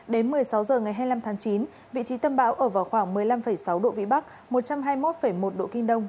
đến một mươi sáu h ngày hai mươi năm tháng chín vị trí tâm bão ở vào khoảng một mươi năm sáu độ vĩ bắc một trăm hai mươi một một độ kinh đông